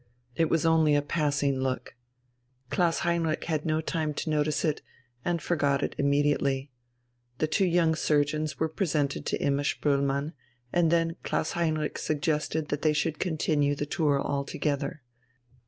It was only a passing look. Klaus Heinrich had no time to notice it, and forgot it immediately. The two young surgeons were presented to Imma Spoelmann, and then Klaus Heinrich suggested that they should continue the tour all together.